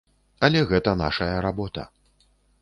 Але гэта нашая работа.